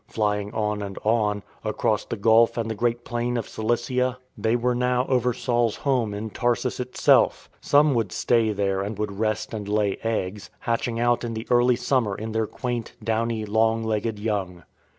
Flying on and on, across the gulf and the great plain of Cilicia, they were now THE PATH OF THE STORKS 19 over Saul's home in Tarsus itself. Some would stay there and would rest and lay eggs, hatching out in the early summer their quaint, downy, long legged young.